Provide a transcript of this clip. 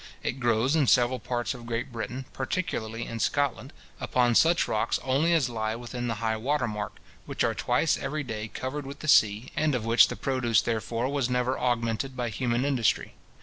It grows in several parts of Great Britain, particularly in Scotland, upon such rocks only as lie within the high water mark, which are twice every day covered with the sea, and of which the produce, therefore, was never augmented by human industry.